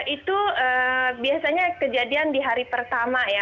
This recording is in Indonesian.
itu biasanya kejadian di hari pertama ya